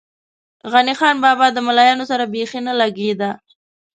غني خان بابا ده ملایانو سره بېخی نه لږې ده.